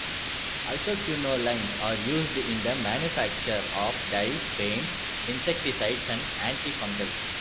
Isoquinolines are used in the manufacture of dyes, paints, insecticides and antifungals.